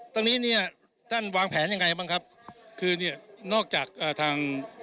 ตรงนี้เนี่ยท่านวางแผนยังไงบ้างครับคือเนี่ยนอกจากอ่าทาง